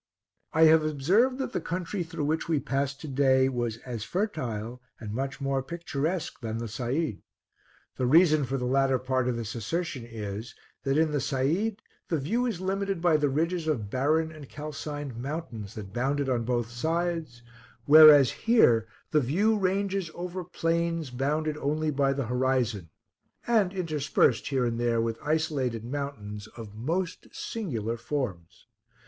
I have observed, that the country through which we passed to day, was as fertile and much more picturesque than the Said. The reason for the latter part of this assertion is, that in the Said the view is limited by the ridges of barren and calcined mountains that bound it on both sides, whereas here the view ranges over plains bounded only by the horizon, and interspersed here and there with isolated mountains of most singular forms.